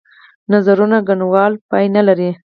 نظرونو ګڼوالی پای نه لري.